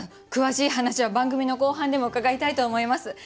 詳しい話は番組の後半でも伺いたいと思います。